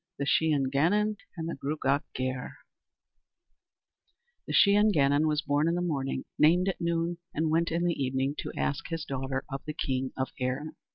The Shee an Gannon and the Gruagach Gaire The Shee an Gannon was born in the morning, named at noon, and went in the evening to ask his daughter of the king of Erin.